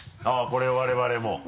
あぁこれを我々も。